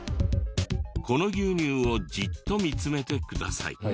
この牛乳をじっと見つめてください。